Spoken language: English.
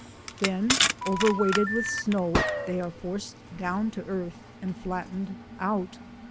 Then overweighted with snow, they are forced down to earth and flattened out.